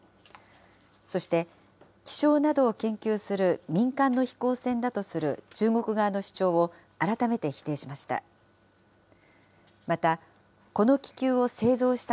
そして、気象などを研究する民間の飛行船だとする中国側の主張を改めて否定しました。